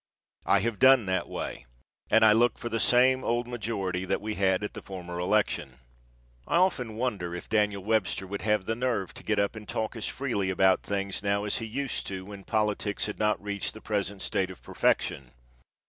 I have done that way, and I look for the same old majority that we had at the former election. I often wonder if Daniel Webster would have the nerve to get up and talk as freely about things now as he used to when politics had not reached the present state of perfection.